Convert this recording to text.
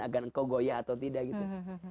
agar engkau goyah atau tidak gitu